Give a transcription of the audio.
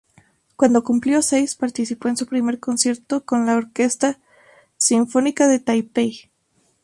Cuando cumplió seis participó en su primer concierto con la Orquesta Sinfónica de Taipei.